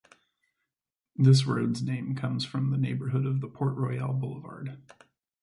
This road’s name comes from the neighborhood of the Port-Royal boulevard.